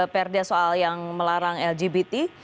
perda soal yang melarang lgbt